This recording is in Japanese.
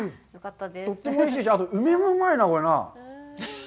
とってもおいしいし、あと、梅もうまいな、これな。